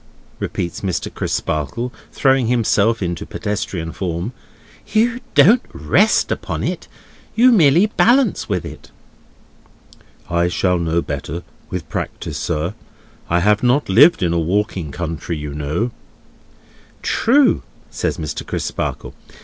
repeats Mr. Crisparkle, throwing himself into pedestrian form. "You don't rest upon it; you merely balance with it." "I shall know better, with practice, sir. I have not lived in a walking country, you know." "True," says Mr. Crisparkle.